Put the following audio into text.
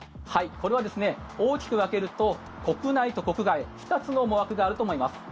これは大きく分けると国内と国外２つの思惑があると思います。